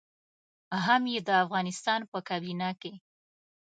هم يې د افغانستان په کابينه کې.